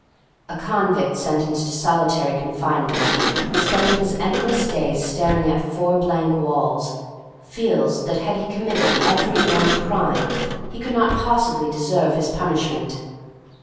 A convict sentenced to solitary con finement, spending his endless days staring at four blank walls, feels that had he committed every known crime he could not possibly deserve his pun ishment.